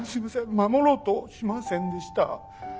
守ろうとしませんでした。